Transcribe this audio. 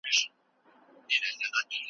ایا کورنۍ بدلون مني؟